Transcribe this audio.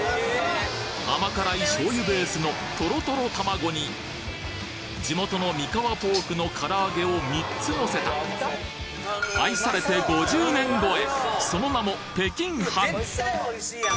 甘辛い醤油ベースのトロトロ卵に地元の三河ポークの唐揚げを３つのせた愛されて５０年越え。